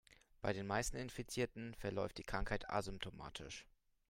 Bei den meisten Infizierten verläuft die Krankheit asymptomatisch.